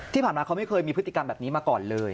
ที่ผ่านมาเขาไม่เคยมีพฤติกรรมแบบนี้มาก่อนเลย